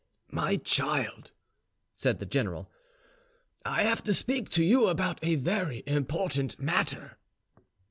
"My child," said the general, "I have to speak to you about a very important matter."